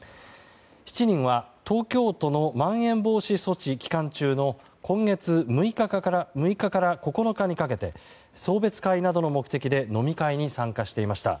７人は、東京都のまん延防止措置期間中の今月６日から９日にかけて送別会などの目的で飲み会に参加していました。